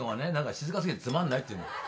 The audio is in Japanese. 静か過ぎてつまんないっていうの。